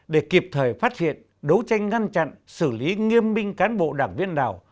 để kịp thời phát hiện đấu tranh ngăn chặn xử lý nghiêm minh cán bộ đảng viên nào